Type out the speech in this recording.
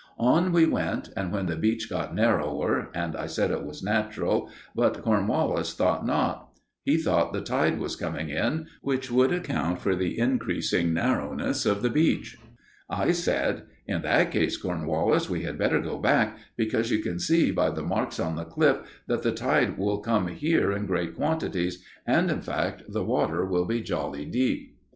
On we went, and then the beach got narrower, and I said it was natural, but Cornwallis thought not. He thought the tide was coming in, which would account for the increasing narrowness of the beach. I said: "In that case, Cornwallis, we had better go back, because you can see, by the marks on the cliffs, that the tide will come here in large quantities, and, in fact, the water will be jolly deep."